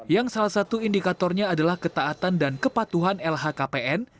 yang salah satu indikatornya adalah ketaatan dan kepatuhan lhkpn